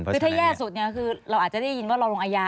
คือถ้าแย่สุดเราอาจจะได้ยินว่ารอลงอายา